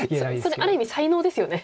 それある意味才能ですよね。